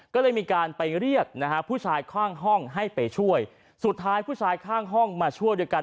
ก็เลยมีการไปเรียกนะฮะผู้ชายข้างห้องให้ไปช่วยสุดท้ายผู้ชายข้างห้องมาช่วยด้วยกัน